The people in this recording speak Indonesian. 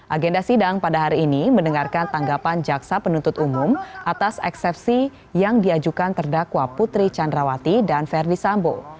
agenda sidang pada hari ini mendengarkan tanggapan jaksa penuntut umum atas eksepsi yang diajukan terdakwa putri candrawati dan verdi sambo